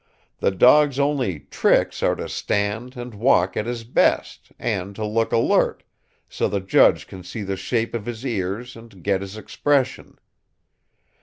The dog's only 'tricks' are to stand and walk at his best, and to look alert, so the judge can see the shape of his ears and get his expression.